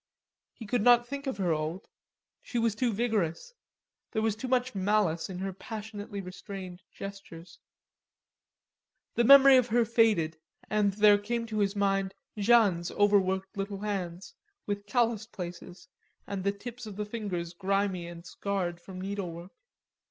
He could not think of her old; she was too vigorous; there was too much malice in her passionately restrained gestures. The memory of her faded, and there came to his mind Jeanne's overworked little hands, with callous places, and the tips of the fingers grimy and scarred from needlework.